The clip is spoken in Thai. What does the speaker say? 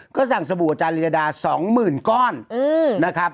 ก็สั่งสบู่อาจารย์ลีลาดา๒หมื่นก้อนนะครับ